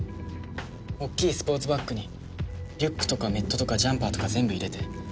大きいスポーツバッグにリュックとかメットとかジャンパーとか全部入れて。